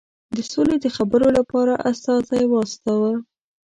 د سولي د خبرو لپاره استازی واستاوه.